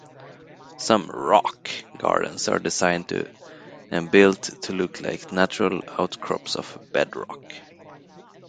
Some rock gardens are designed and built to look like natural outcrops of bedrock.